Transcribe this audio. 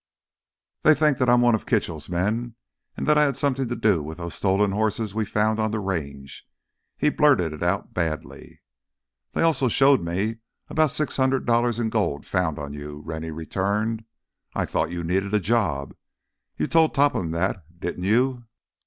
"They think that I'm one of Kitchell's men and that I had something to do with those stolen horses we found on the Range." He blurted it out badly. "They also showed me about six hundred dollars in gold found on you," Rennie returned. "I thought you needed a job. You told Topham that, didn't you?"